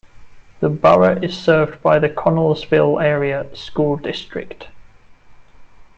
The borough is served by the Connellsville Area School District.